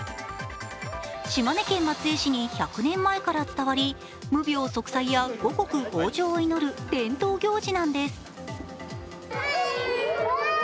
島根県松江市に１００年前から伝わり無病息災や五穀豊穣を祈る伝統行事なんです。